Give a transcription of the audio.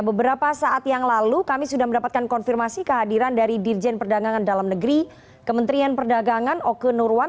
beberapa saat yang lalu kami sudah mendapatkan konfirmasi kehadiran dari dirjen perdagangan dalam negeri kementerian perdagangan oke nurwan